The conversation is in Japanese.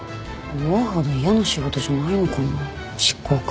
思うほど嫌な仕事じゃないのかな執行官。